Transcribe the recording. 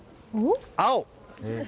青！